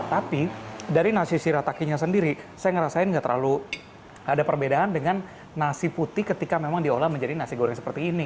tapi dari nasi shiratakinya sendiri saya ngerasain nggak terlalu ada perbedaan dengan nasi putih ketika memang diolah menjadi nasi goreng seperti ini